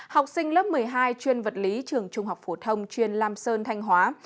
học sinh lớp một mươi hai chuyên vật lý trường trung học phổ thông chuyên lam sơn thanh hóa